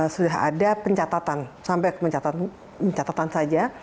sudah ada pencatatan sampai ke pencatatan saja